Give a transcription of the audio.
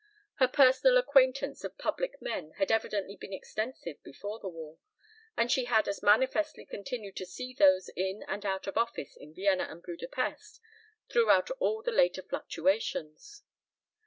Her personal acquaintance of public men had evidently been extensive before the war, and she had as manifestly continued to see those in and out of office in Vienna and Buda Pesth throughout all the later fluctuations.